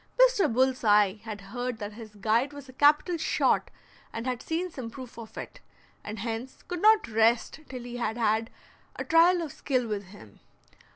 Mr. Bull's Eye had heard that his guide was a capital shot and had seen some proof of it, and hence could not rest till he had had a trial of skill with him.